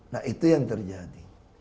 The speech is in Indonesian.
nah itu yang terjadi